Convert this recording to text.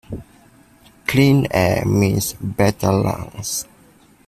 Clean air, means better lungs.